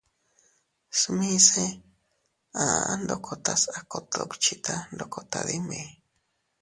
Smise a aʼa ndokotas a kot duckhita ndoko tadimi.